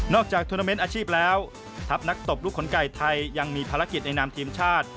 จากทวนาเมนต์อาชีพแล้วทัพนักตบลูกขนไก่ไทยยังมีภารกิจในนามทีมชาติ